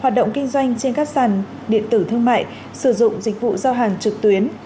hoạt động kinh doanh trên các sàn điện tử thương mại sử dụng dịch vụ giao hàng trực tuyến